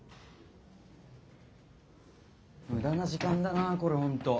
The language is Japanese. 無駄な時間だなぁこれほんと。